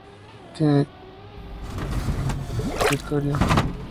Tiene clima semiárido en la mayoría de su territorio.